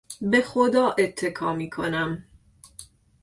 به خدا اتکا میکنم.